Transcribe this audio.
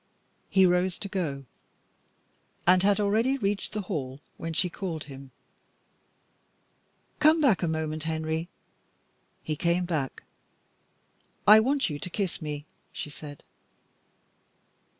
He rose to go, and had already reached the hail, when she called him "Come back a moment Henry." He came back. "I want you to kiss me," she said.